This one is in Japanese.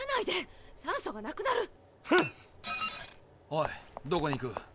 おいどこに行く。